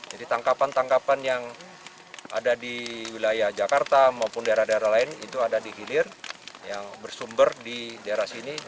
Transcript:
jadi tangkapan tangkapan yang ada di wilayah jakarta maupun daerah daerah lain itu ada di hilir yang bersumber di daerah sini